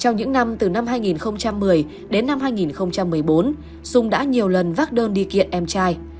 trong những năm từ năm hai nghìn một mươi đến năm hai nghìn một mươi bốn dung đã nhiều lần vác đơn đi kiện em trai